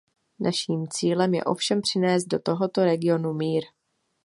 Naším cílem je ovšem přinést do tohoto regionu mír.